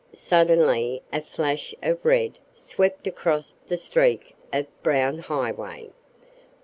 Suddenly a flash of red swept across the streak of brown highway.